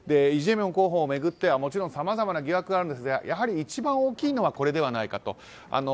イ・ジェミョン候補を巡ってはさまざまな疑惑があるんですがやはり一番大きいのはこれではないかと。